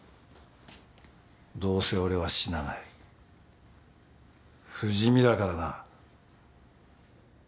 どうせ俺は死なない不死身だからな。